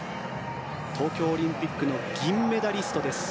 東京オリンピックの銀メダリストです。